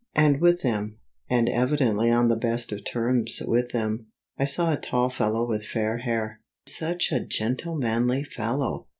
And with them, and evidently on the best of terms with them, I saw a tall fellow with fair hair such a gentlemanly fellow!